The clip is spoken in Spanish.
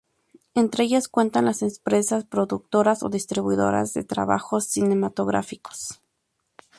Entre ellas cuentan las empresas productoras o distribuidoras de trabajos cinematográficos.